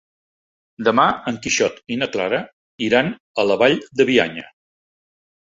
Demà en Quixot i na Clara iran a la Vall de Bianya.